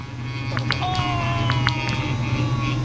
歌子ちゃんの。